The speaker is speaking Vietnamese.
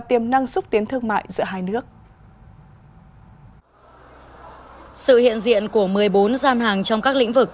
tiềm năng xúc tiến thương mại giữa hai nước sự hiện diện của một mươi bốn gian hàng trong các lĩnh vực